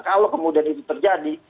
kalau kemudian itu terjadi